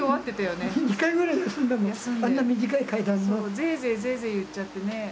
ぜいぜいぜいぜい言っちゃってね。